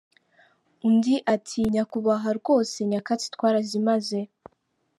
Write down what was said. Undi ati nyakubahwa rwose nyakatsi twarazimaze.